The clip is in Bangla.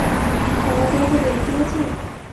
তারা তোমাকে বলে দিয়েছে?